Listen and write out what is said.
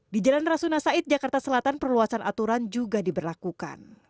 di jalan rasuna said jakarta selatan perluasan aturan juga diberlakukan